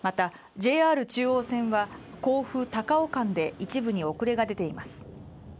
ＪＲ中央線は甲府−高尾間で一部に遅れが出ています